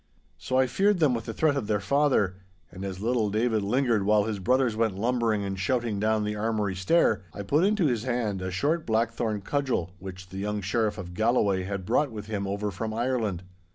So I feared them with the threat of their father, and as little David lingered while his brothers went lumbering and shouting down the armoury stair, I put into his hand a short blackthorn cudgel which the young Sheriff of Galloway had brought with him over from Ireland.